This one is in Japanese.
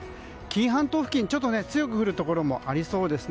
紀伊半島付近強く降るところもありそうです。